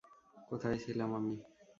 কোথায় ছিলাম আমি?